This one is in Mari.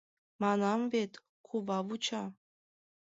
Манам вет, кува вуча.